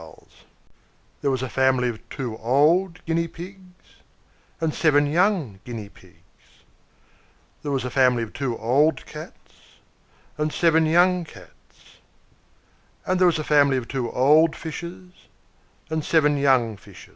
There was a family of two old Guinea Pigs and seven young Guinea Pigs. There was a family of two old Cats and seven young Cats. And there was a family of two old Fishes and seven young Fishes.